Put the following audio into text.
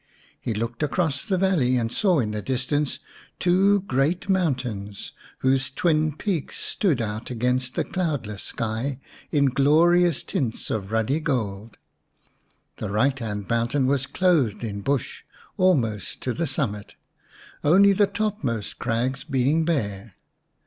He looked across 237 The White Dove xx the valley and saw in the distance two great mountains, whose twin peaks stood out against the cloudless sky in glorious tints of ruddy gold. The right hand mountain was clothed in bush almost to the summit, only the topmost crags being bare.